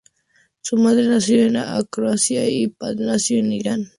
Su madre nació en Croacia y su padre nació en Irán.